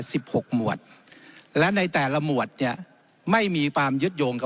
หกหมวดและในแต่ละหมวดเนี้ยไม่มีความยึดโยงกับ